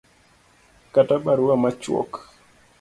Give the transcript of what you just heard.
kata barua machuok